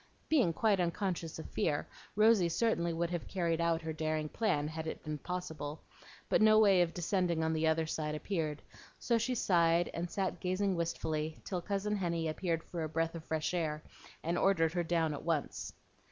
Being quite unconscious of fear, Rosy certainly would have carried out her daring plan, had it been possible; but no way of descending on the other side appeared, so she sighed and sat gazing wistfully, till Cousin Henny appeared for a breath of fresh air, and ordered her down at once.